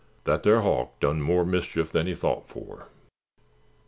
That thar hawk done more mischief than he thought for."